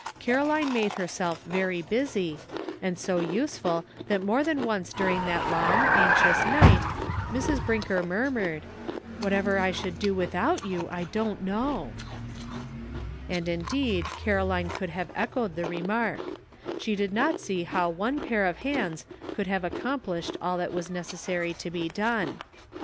Caroline made herself very busy, and so useful that more than once during that long, anxious night Mrs. Brinker murmured, "What ever I should do without you I don't know !" 138 A TRYING POSITION. And indeed Caroline could have echoed the remark ; she did not see how one pair of hands could have accomplished all that was necessary to be done.